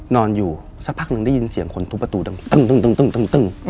นอนอยู่สักพักหนึ่งได้ยินเสียงคนทุบประตูดึงตึ้ง